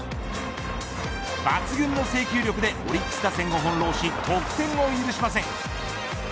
抜群の制球力でオリックス打線を翻弄し得点を許しません。